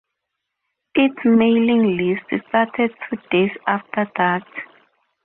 Its mailing list started two days after that.